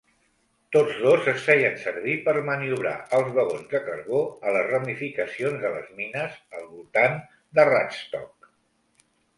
Tots dos es feien servir per maniobrar els vagons de carbó a les ramificacions de les mines al voltant de Radstock.